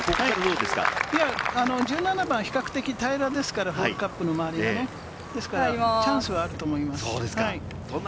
１７番は比較的平らですから、ホールカップの周りがね、チャンスはあると思います。